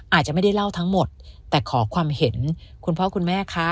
อาจจะไม่ได้เล่าทั้งหมดแต่ขอความเห็นคุณพ่อคุณแม่คะ